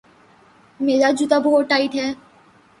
میرا جوتا بہت ٹائٹ ہے